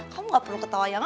kamu gak perlu ketawa yang